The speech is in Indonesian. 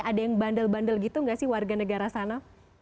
ada yang bandel bandel gitu nggak sih warga negara sana